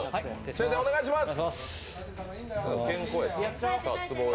先生、お願いします。